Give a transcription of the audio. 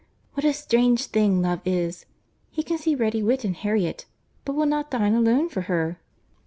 What a strange thing love is! he can see ready wit in Harriet, but will not dine alone for her."